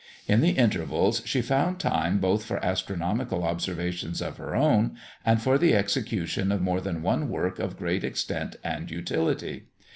In the intervals, she found time both for astronomical observations of her own, and for the execution of more than one work of great extent and utility.